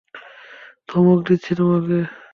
ধমক দিচ্ছি তোমাকে!